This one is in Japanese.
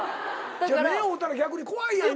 目合うたら逆に怖いやん。